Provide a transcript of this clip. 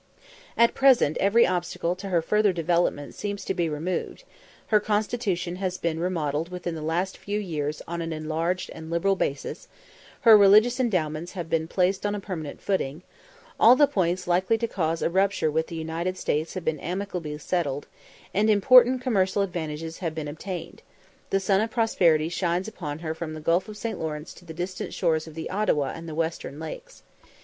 At present every obstacle to her further development seems to be removed her constitution has been remodelled within the last few years on an enlarged and liberal basis her religious endowments have just been placed on a permanent footing all the points likely to cause a rupture with the United States have been amicably settled and important commercial advantages have been obtained: the sun of prosperity shines upon her from the Gulf of St. Lawrence to the distant shores of the Ottawa and the Western Lakes.